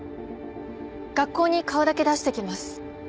学校に顔だけ出してきます。